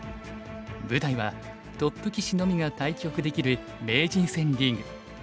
舞台はトップ棋士のみが対局できる名人戦リーグ。